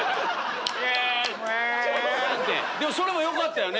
でもそれもよかったよね。